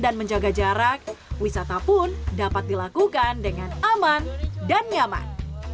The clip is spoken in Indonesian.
dan menjaga jarak wisata pun dapat dilakukan dengan aman dan nyaman